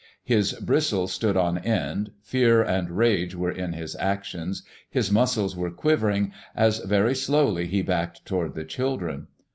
His bristles stood on end, fear and rage were in his actions, his muscles were quivering, as very slowly he backed toward the children.